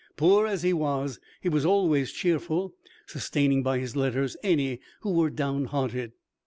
Poor as he was, he was always cheerful, sustaining by his letters any who were downhearted.